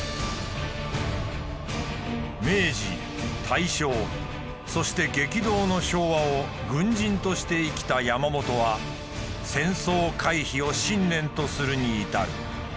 明治大正そして激動の昭和を軍人として生きた山本は戦争回避を信念とするに至る。